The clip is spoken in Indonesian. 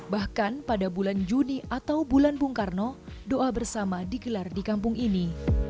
bahkan pada bulan juni atau bulan bung karno doa bersama digelar di kampung ini